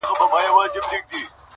چي په ګور کي به یې مړې خندوله-